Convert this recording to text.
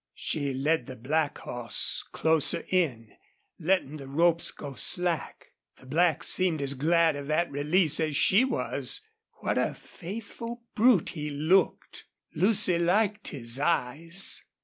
She led the black horse closer in, letting the ropes go, slack. The black seemed as glad of that release as she was. What a faithful brute he looked! Lucy liked his eyes.